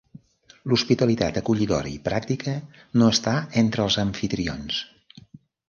L'hospitalitat acollidora i pràctica no està entre els amfitrions.